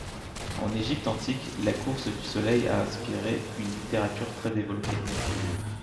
En Égypte antique, la course du Soleil a inspiré une littérature très développée.